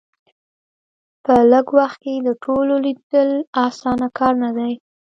په لږ وخت کې د ټولو لیدل اسانه کار نه دی.